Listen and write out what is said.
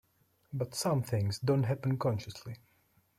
But some things don't happen consciously.